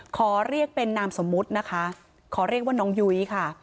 ขอเรียกเป็นนามสมมุตินะคะขอเรียกว่าน้องยุ้ยค่ะ